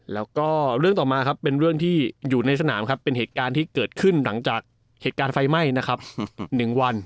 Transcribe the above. แล้วก็เรื่องต่อมาครับเป็นเรื่องที่อยู่ในสนามครับเป็นเหตุการณ์ที่เกิดขึ้นหลังจากเหตุการณ์ไฟไหม้นะครับ๑วัน